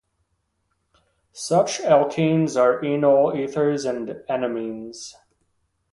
Such alkenes are enol ethers and enamines.